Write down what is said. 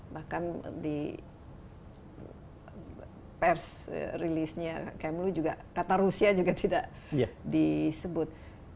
bahkan di pers rilisnya kmlu juga kata rusia juga tidak disebut